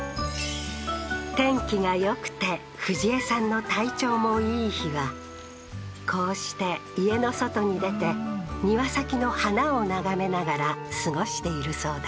天気が良くて富士恵さんの体調も良い日はこうして家の外に出て庭先の花を眺めながら過ごしているそうだ